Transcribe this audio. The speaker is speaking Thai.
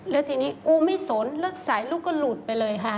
แล้วทีนี้กูไม่สนแล้วสายลูกก็หลุดไปเลยค่ะ